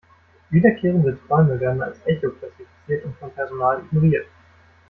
Wiederkehrende Träume werden als Echo klassifiziert und vom Personal ignoriert.